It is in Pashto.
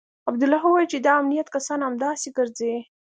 عبدالله وويل چې د امنيت کسان همداسې ګرځي.